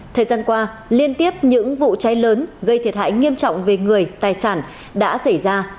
thời gian qua liên tiếp những vụ cháy lớn gây thiệt hại nghiêm trọng về người tài sản đã xảy ra